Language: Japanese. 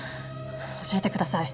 教えてください。